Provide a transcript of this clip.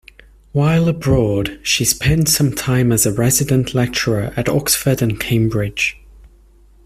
While abroad, she spent some time as a resident lecturer at Oxford and Cambridge.